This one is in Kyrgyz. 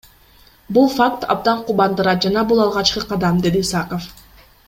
Бул факт абдан кубандырат жана бул алгачкы кадам, — деди Исаков.